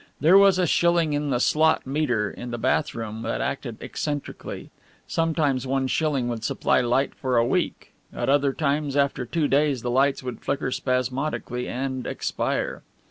There was a shilling in the slot meter in the bath room that acted eccentrically. Sometimes one shilling would supply light for a week, at other times after two days the lights would flicker spasmodically and expire.